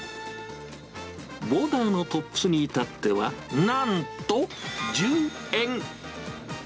ボーダーのトップスに至っては、なんと１０円。